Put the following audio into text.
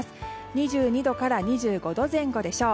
２２度から２５度前後でしょう。